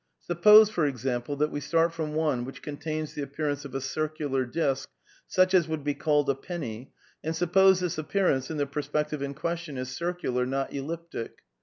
Suppose, for example, that we start from one which contains ihe appearance of a circular disc, such as would be called a penny, and suppose this appear ance, in the perspective in question, is circular, not elliptic.